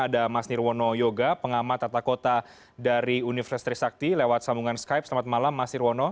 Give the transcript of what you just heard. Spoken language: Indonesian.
ada mas nirwono yoga pengamat tata kota dari universitas trisakti lewat sambungan skype selamat malam mas nirwono